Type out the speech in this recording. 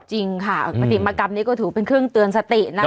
จริงค่ะปฏิมากรรมนี้ก็ถือเป็นเครื่องเตือนสตินะ